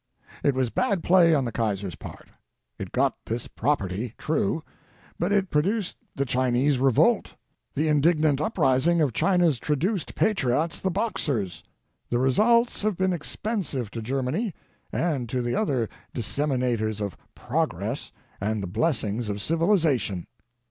It was bad play on the Kaiser's part. It got this property, true; but it produced the Chinese revolt, the indignant uprising of China's traduced patriots, the Boxers. The results have been expensive to Germany, and to the other Disseminators of Progress and the Blessings of Civilization.